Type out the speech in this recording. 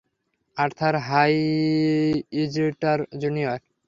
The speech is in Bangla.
Arthur Howitzer junior.